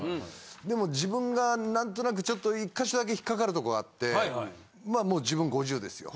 でも自分が何となくちょっと１か所だけ引っかかるとこあってまあもう自分５０ですよ。